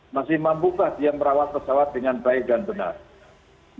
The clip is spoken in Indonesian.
masih mampukah dia merawat pesawat dengan baik dan benar